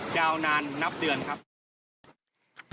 จะเอานานนับเดือนครับ